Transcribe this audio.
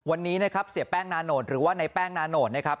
วันนี้นะครับเสียแป้งนาโนตหรือว่าในแป้งนาโนดนะครับ